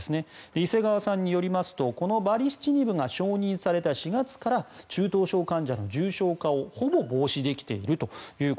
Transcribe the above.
伊勢川さんによりますとこのバリシチニブが承認された４月から中等症患者の重症化をほぼ防止できていると。